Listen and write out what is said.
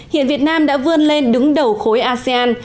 hiện việt nam đã vươn lên đứng đầu khối asean